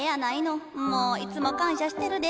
んもういつも感謝してるで。